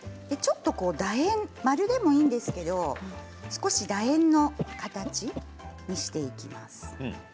丸でもいいんですけど少し、だ円の形にしていきます。